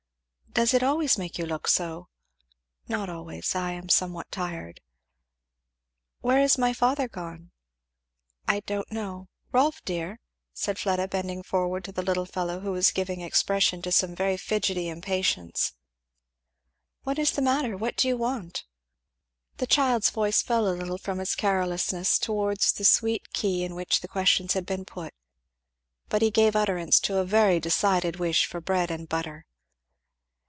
"Does it always make you look so?" "Not always I am somewhat tired." "Where is my father gone?" "I don't know. Rolf, dear," said Fleda bending forward to the little fellow who was giving expression to some very fidgety impatience, "what is the matter? what do you want?" The child's voice fell a little from its querulousness towards the sweet key in which the questions had been put, but he gave utterance to a very decided wish for "bread and butter."